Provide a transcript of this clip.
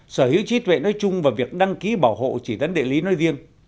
sở hữu trí tuệ nói chung và việc đăng ký bảo hộ chỉ dẫn địa lý nói riêng